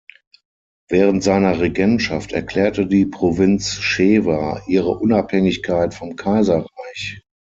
Während seiner Regentschaft erklärte die Provinz Shewa ihre Unabhängigkeit vom Kaiserreich.